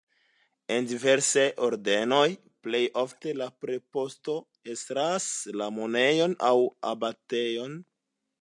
En diversaj ordenoj plej ofte la preposto estras la monaĥejon aŭ abatejon.